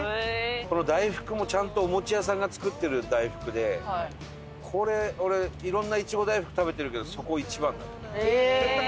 この大福もちゃんとお餅屋さんが作ってる大福でこれ俺いろんないちご大福食べてるけどそこ一番だった。